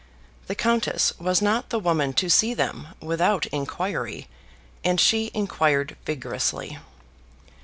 The countess was not the woman to see them without inquiry, and she inquired vigorously.